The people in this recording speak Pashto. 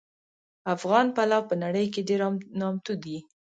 افغان پلو په نړۍ کې ډېر نامتو دي